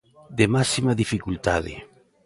De máxima dificultade.